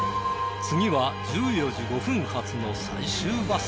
次は１４時５分発の最終バス。